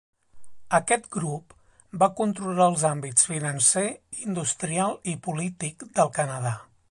Aquest grup va controlar els àmbits financer, industrial i polític del Canadà.